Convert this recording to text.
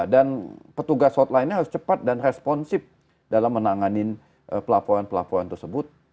dan petugas hotline harus cepat dan responsif dalam menanganin pelaporan pelaporan tersebut